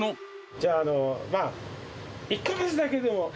じゃあ、まあ１か月だけでも。